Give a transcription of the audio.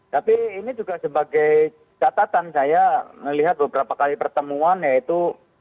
tapi ini juga sebagai catatan saya melihat beberapa kali pertemuan yaitu